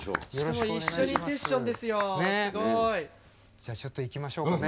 じゃあちょっと行きましょうかね。